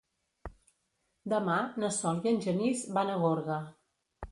Demà na Sol i en Genís van a Gorga.